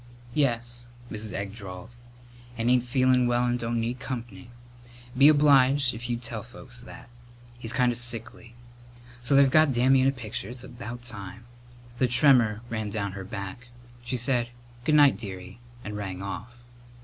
"Yes," Mrs. Egg drawled, "and ain't feelin' well and don't need comp'ny. Be obliged if you'd tell folks that. He's kind of sickly. So they've got Dammy in a picture. It's about time!" The tremor ran down her back. She said "Good night, dearie," and rang off.